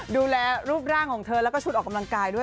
ดูแลรูปร่างของเธอแล้วก็ชุดออกกำลังกายด้วย